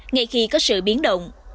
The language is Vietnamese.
ngay khi có sự biến động